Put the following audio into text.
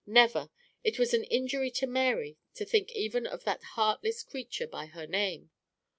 Never! It was an injury to "Mary" to think even of that heartless creature by her name.